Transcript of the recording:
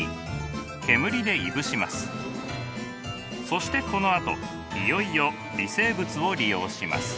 そしてこのあといよいよ微生物を利用します。